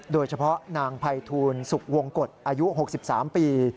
โดยเฉพาะนางภัยทูลสุขวงกฎอายุ๖๓ปี